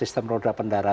itu kan harus diperhatikan